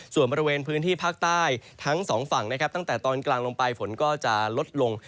ส่วนบริเวณพื้นที่ภาคใต้ทั้งสองฝั่งนะครับตั้งแต่ตอนกลางลงไปฝนก็จะลดลง